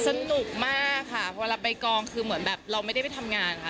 สนุกมากค่ะเวลาไปกองคือเหมือนแบบเราไม่ได้ไปทำงานค่ะ